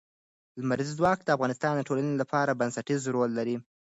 لمریز ځواک د افغانستان د ټولنې لپاره بنسټيز رول لري.